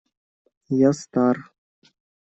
Я стар.